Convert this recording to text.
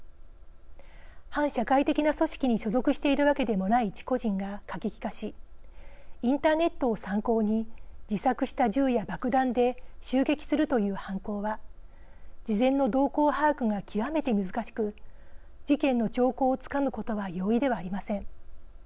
反社会的な組織に所属しているわけでもない一個人が過激化しインターネットを参考に自作した銃や爆弾で襲撃するという犯行は事前の動向把握が極めて難しく事件の兆候をつかむことは容易ではありません。